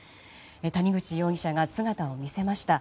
谷口容疑者が姿を見せました。